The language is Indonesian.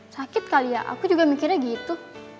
sakit kali ya aku juga mikirnya gitu